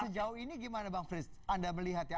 sejauh ini gimana bang frits anda melihat ya